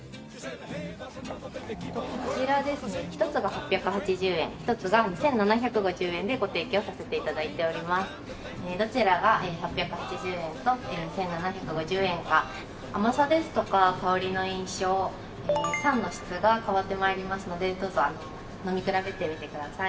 こちらですね一つが８８０円一つが２７５０円でご提供させて頂いております。どちらが８８０円と２７５０円か甘さですとか香りの印象酸の質が変わって参りますのでどうぞ飲み比べてみてください。